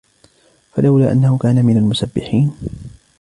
فلولا أنه كان من المسبحين